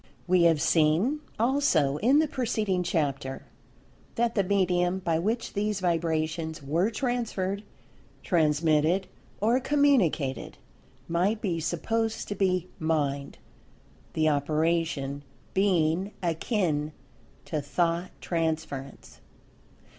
We have seen, also in the preceding chapter, that the medium by which these vibrations were transferred, transmitted, or communicated, might be supposed to be Mind, the operation being akin to Thought transference.